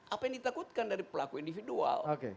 apa yang ditakutkan dari pelaku individual